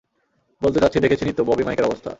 বলতে চাচ্ছি, দেখেছেনই তো ববি মাইকের অবস্থা!